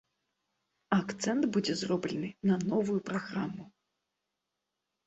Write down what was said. Акцэнт будзе зроблены на новую праграму.